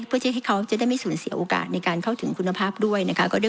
เพื่อจะให้เขาจะได้ไม่สูญเสียโอกาสในการเข้าถึงคุณภาพด้วยนะคะ